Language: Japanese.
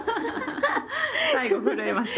最後震えました？